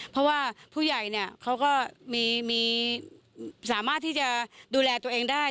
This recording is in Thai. เพราะว่าผู้ใหญ่เนี่ยเขาก็สามารถที่จะดูแลตัวเองได้